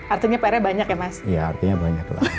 artinya pr nya banyak ya mas